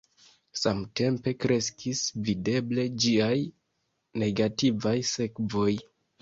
Samtempe kreskis videble ĝiaj negativaj sekvoj.